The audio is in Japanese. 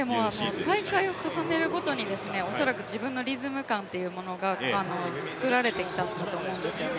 大会を重ねるごとに恐らく自分のリズム感というものが作られてきたんだと思うんですよね。